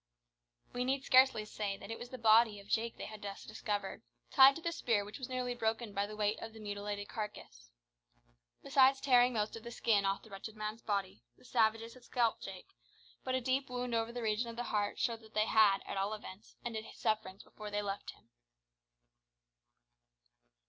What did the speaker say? We need scarcely say that it was the dead body of Jake they had thus discovered, tied to the spear which was nearly broken by the weight of the mutilated carcass. Besides tearing most of the skin off the wretched man's body, the savages had scalped Jake; but a deep wound over the region of the heart showed that they had, at all events, ended his sufferings before they left him.